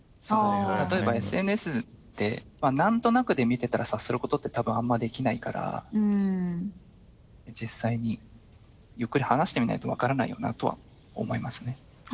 例えばＳＮＳで何となくで見てたら察することってたぶんあんまできないから実際にゆっくり話してみないと分からないよなとは思いますね。